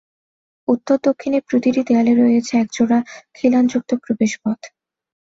উত্তর দক্ষিণের প্রতিটি দেয়ালে রয়েছে এক জোড়া খিলানযুক্ত প্রবেশপথ।